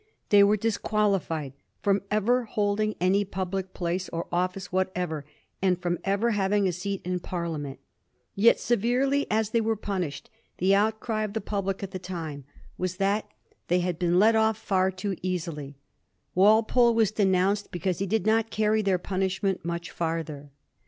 They were'disqualified fi om ever holding any public place or office whatever, and firom ever having a seat in Parliament. Yet, severely as they were punished, the outcry of the public at the time was that they had Digiti zed by Google 270 A HISTORY OF THE FOUR GEORGES. ch. xil been let off far too easily. Walpole was denounced because he did not carry their punishment much, farther.